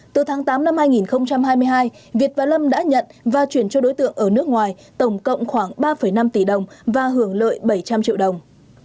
từ tháng tám năm hai nghìn hai mươi hai việt và lâm đã nhận và chuyển cho đối tượng ở nước ngoài tổng cộng khoảng ba năm tỷ đồng và hưởng lợi bảy trăm linh triệu đồng